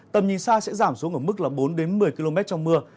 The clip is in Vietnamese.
tầm nhìn xa sẽ giảm xuống ở mức bốn một mươi km trong mưa